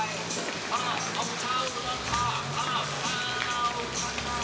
อะไรนั่งหัวเราะอยู่ป่ะ